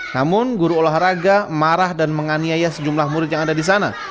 namun guru olahraga marah dan menganiaya sejumlah murid yang ada di sana